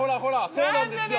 そうなんですよ。